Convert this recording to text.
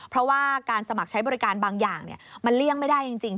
เพราะว่าการสมัครใช้บริการบางอย่างมันเลี่ยงไม่ได้จริง